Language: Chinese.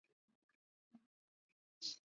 上海牌轿车最终走向历史。